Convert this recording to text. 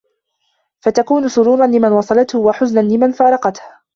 فَتَكُونُ سُرُورًا لِمَنْ وَصَلَتْهُ وَحُزْنًا لِمَنْ فَارَقَتْهُ